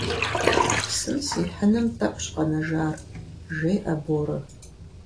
Псым сихьыным тӏэкӏущ къэнэжар, - жеӏэ Борэ.